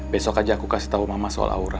besok aja aku kasih tahu mama soal aura